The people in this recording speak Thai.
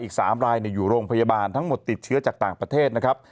อีก๓รายอยู่โรงพยาบาลทั้งหมดติดเชื้อจากต่างประเทศนะครับ